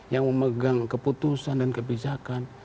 yang memegang keputusan dan kebijakan